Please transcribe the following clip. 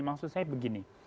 maksud saya begini